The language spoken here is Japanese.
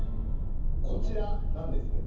こちらなんですけど。